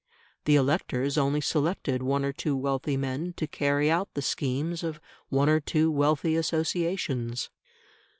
The electors only selected one or two wealthy men to carry out the schemes of one or two wealthy associations.